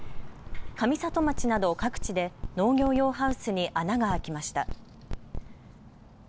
上里町など各地で農業用ハウスに穴が開きました。